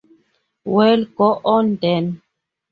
Well, go on then!